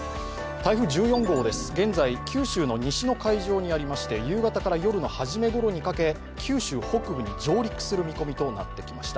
台風１４号です、現在、九州の西の海上にありまして、夕方から夜のはじめにかけ九州北部に上陸する見込みとなってきました。